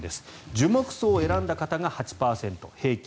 樹木葬を選んだ方が８％平均